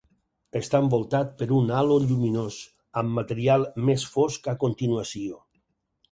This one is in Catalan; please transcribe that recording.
Està envoltat per un halo lluminós, amb material més fosc a continuació.